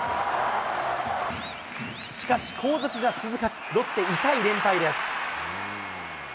しかし後続が続かず、ロッテ、痛い連敗です。